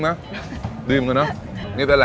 คนที่มาทานอย่างเงี้ยควรจะมาทานแบบคนเดียวนะครับ